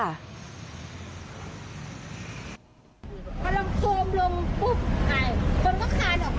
พอเราโคมลงปุ๊บคนก็คานออกมา